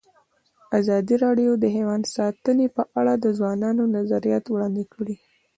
ازادي راډیو د حیوان ساتنه په اړه د ځوانانو نظریات وړاندې کړي.